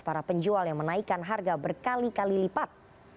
para penjual yang menaikkan harga berkali kali lipat